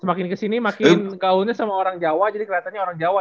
semakin kesini makin kaunya sama orang jawa jadi kelihatannya orang jawa